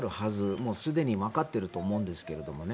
もうすでにわかっていると思いますけどね。